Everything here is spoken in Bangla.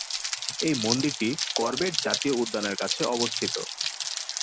এই মন্দিরটি করবেট জাতীয় উদ্যানের কাছে অবস্থিত।